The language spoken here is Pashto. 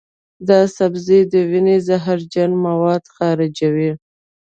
دا سبزی د وینې زهرجن مواد خارجوي.